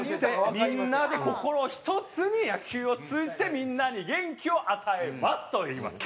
みんなで心を一つに野球を通じてみんなに元気を与えます！と言いましたね。